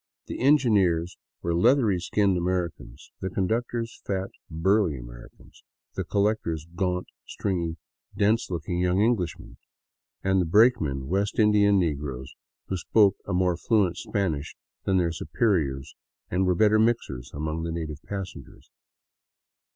The engineers were leathery skinned Americans; the conductors fat, burly Americans ; the collectors gaunt, stringy, dense looking young English men, and the brakemen West Indian negroes who spoke a more fluent Spanish that their superiors and were better " mixers " among the native passengers.